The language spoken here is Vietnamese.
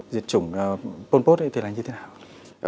diệt chủng pol pot thì là như thế nào